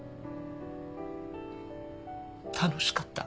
楽しかった。